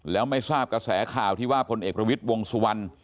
แล้วไม่ทราบกระแสข่าวที่ว่าพลเอกประวิทย์วงสุวรรณ